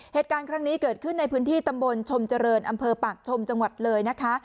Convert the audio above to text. เหตุการณ์ครั้งนี้เกิดขึ้นในพื้นที่ตำบลชมเจริญอำเภอปากชมจังหวัดเลยนะคะ